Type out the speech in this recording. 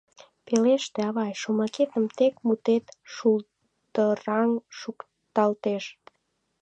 Пелеште, авай, шомакетым, тек мутет шулдыраҥ шукталтеш.